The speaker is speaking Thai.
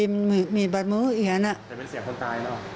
แต่เป็นเสียงคนตายเนอะ